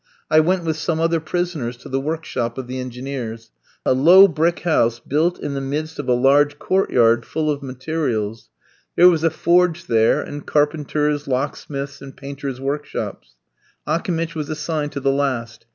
I went with some other prisoners to the workshop of the Engineers a low brick house built in the midst of a large court yard full of materials. There was a forge there, and carpenters', locksmiths', and painters' workshops. Akimitch was assigned to the last.